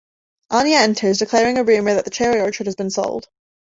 Anya enters, declaring a rumour that the cherry orchard has been sold.